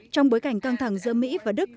trong bối cảnh căng thẳng giữa mỹ và đức